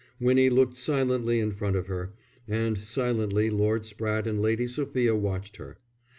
Winnie looked silently in front of her, and silently Lord Spratte and Lady Sophia watched her.